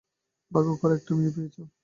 ভাগ্য করে একটা মেয়ে পেয়েছো।